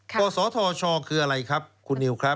กศธชคืออะไรครับคุณนิวครับ